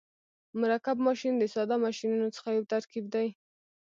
مرکب ماشین د ساده ماشینونو څخه یو ترکیب دی.